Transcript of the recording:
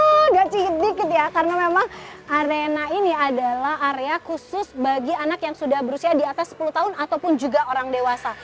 tidak sedikit dikit ya karena memang arena ini adalah area khusus bagi anak yang sudah berusia di atas sepuluh tahun ataupun juga orang dewasa